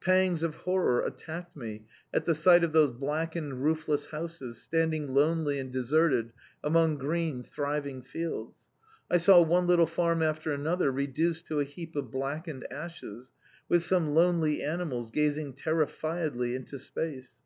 Pangs of horror attacked me at the sight of those blackened roofless houses, standing lonely and deserted among green, thriving fields. I saw one little farm after another reduced to a heap of blackened ashes, with some lonely animals gazing terrifiedly into space.